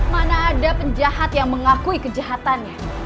mana ada penjahat yang mengakui kejahatannya